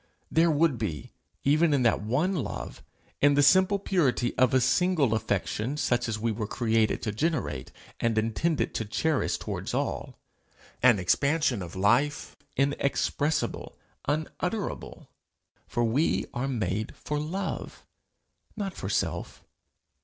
There would be, even in that one love, in the simple purity of a single affection such as we were created to generate, and intended to cherish, towards all, an expansion of life inexpressible, unutterable. For we are made for love, not for self.